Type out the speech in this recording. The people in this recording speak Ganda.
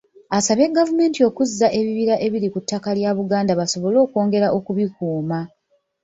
Asabye gavumenti okuzza ebibira ebiri ku ttaka lya Buganda basobole okwongera okubikuuma.